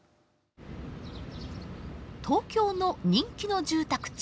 東京の人気の住宅地